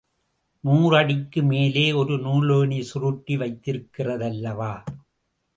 நூறடிக்கும் மேலே ஒரு நூலேணி சுருட்டி வைத்திருக்கிறதல்லவா?